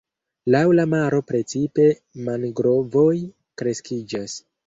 Laŭ la maro precipe mangrovoj kreskiĝas.